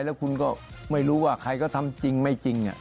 แล้วคุณก็ไม่รู้ว่าใครก็ทำจริงไม่จริง